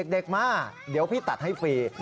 เด็กมาเดี๋ยวพี่ตัดให้ฟรี